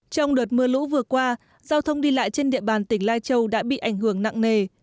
trong đợt mưa lũ vừa qua giao thông đi lại trên địa bàn tỉnh lai châu đã bị ảnh hưởng nặng nề